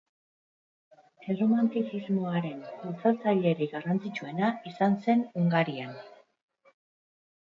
Erromantizismoaren bultzatzailerik garrantzitsuena izan zen Hungarian.